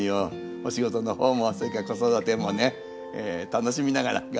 お仕事の方もそれから子育てもね楽しみながら頑張っていって下さい。